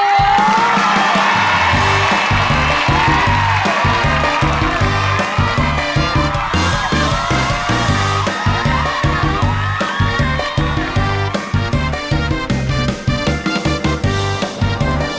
โอเค